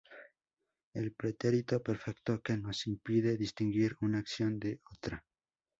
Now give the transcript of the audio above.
el pretérito perfecto que nos impide distinguir una acción de otra